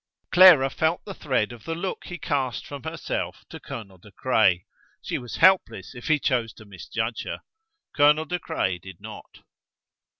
Clara felt the thread of the look he cast from herself to Colonel De Craye. She was helpless, if he chose to misjudge her. Colonel De Craye did not!